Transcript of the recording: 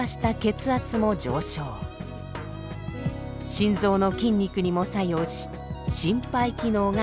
心臓の筋肉にも作用し心肺機能が向上。